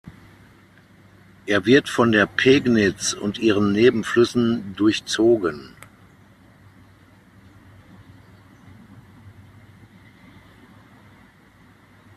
Er wird von der Pegnitz und ihren Nebenflüssen durchzogen.